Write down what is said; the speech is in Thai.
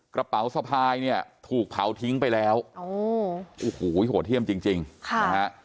กระเป๋าสภายเนี่ยถูกเผาทิ้งไปแล้วโอ้โหโหเที่ยมจริงค่ะ